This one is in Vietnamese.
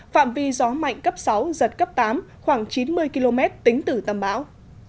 phạm vi gió mạnh cấp sáu giật cấp tám khoảng chín mươi km tính từ tâm bão